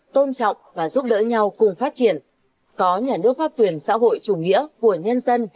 tôn trọng và giúp đỡ nhau cùng phát triển có nhà nước pháp quyền xã hội chủ nghĩa của nhân dân